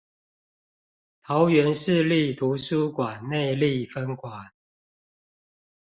桃園市立圖書館內壢分館